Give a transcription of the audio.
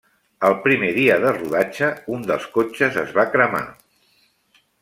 El primer dia de rodatge, un dels cotxes es va cremar.